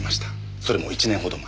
それも１年ほど前。